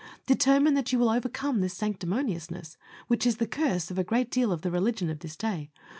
Determine that you will overcome this sanctimoniousness, which is the curse of a great deal of the religion of this day.